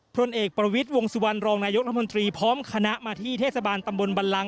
พลเอกประวิทย์วงสุวรรณรองนายกรัฐมนตรีพร้อมคณะมาที่เทศบาลตำบลบันลัง